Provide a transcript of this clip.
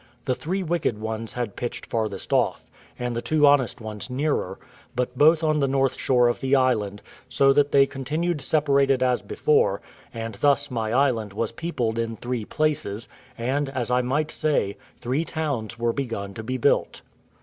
The three wicked ones had pitched farthest off, and the two honest ones nearer, but both on the north shore of the island, so that they continued separated as before; and thus my island was peopled in three places, and, as I might say, three towns were begun to be built.